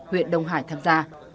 huyện đông hải tham gia